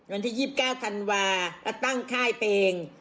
วันที่๒๙ธันวาก็ตั้งค่ายเพลง